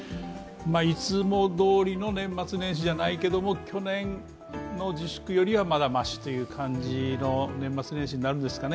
いつもどおりの年末年始じゃないけども去年の自粛よりは、まだましという感じの年末年始になるんですかね。